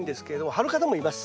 張る方もいます。